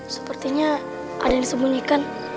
sepertinya ada yang disembunyikan